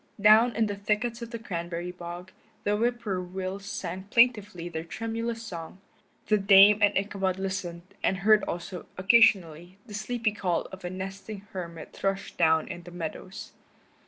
Down in the thickets of the cranberry bog the whippoorwills sang plaintively their tremulous song; the Dame and Ichabod listened, and heard also, occasionally, the sleepy call of a nesting hermit thrush down in the meadows.